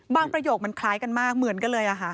ประโยคมันคล้ายกันมากเหมือนกันเลย